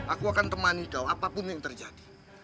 aku akan temani kau apapun yang terjadi